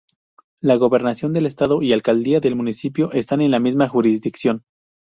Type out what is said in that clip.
La gobernación del estado y alcaldía del municipio están en la misma jurisdicción.